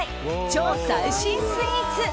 超最新スイーツ。